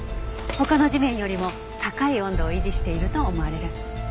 他の地面よりも高い温度を維持していると思われる。